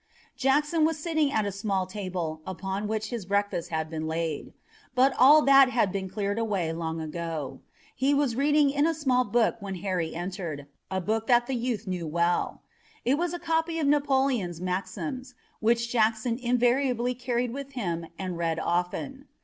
Jackson was sitting at a small table, upon which his breakfast had been laid. But all that had been cleared away long ago. He was reading in a small book when Harry entered, a book that the youth knew well. It was a copy of Napoleon's Maxims, which Jackson invariably carried with him and read often.